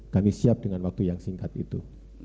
kami siap dengan waktu yang singkat itu